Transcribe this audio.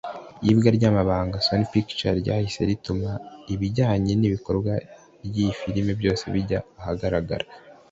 Iyibwa ry’amabanga ya Sony Pictures ryahise rituma ibijyanye n’ikorwa ry’iyi filime byose bijya ahagaragara